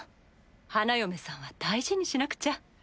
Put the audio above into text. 花嫁さんは大事にしなくちゃ。